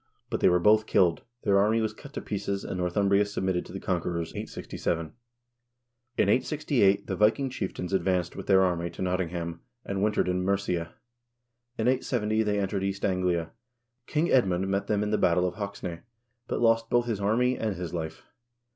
But they were both killed, their army was cut to pieces, and North umbria submitted to the conquerors, 867. In 868 the Viking chief tains advanced with their army to Nottingham, and wintered in Mercia. In 870 they entered East Anglia. King Edmund met them in the battle of Hoxne, but lost both his army and his life.